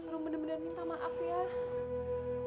rum benar benar minta maaf ya